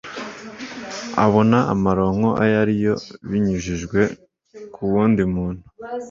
abona amaronko ayo ari yo binyujijwe ku wundi muntu